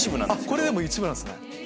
これでも一部なんですね。